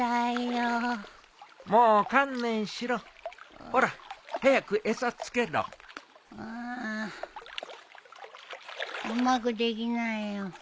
うまくできないよ。